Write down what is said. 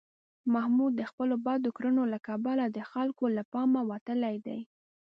محمود د خپلو بدو کړنو له کبله د خلکو له پامه وتلی دی.